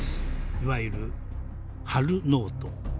いわゆるハル・ノート。